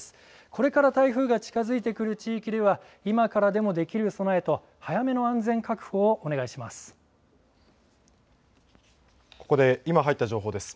これから台風が近づいてくる地域では、今からでもできる備えと、早めの安全確保をお願いします。